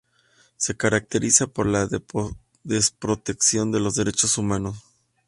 Se caracteriza por la desprotección de los derechos humanos.